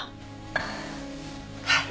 はい。